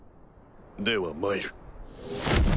ではまいる。